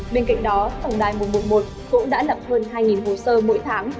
bên cạnh đó tổng đài một trăm một mươi một cũng đã lập hơn hai hồ sơ mỗi tháng